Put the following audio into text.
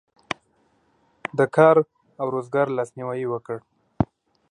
د کار او روزګار لاسنیوی یې وکړ.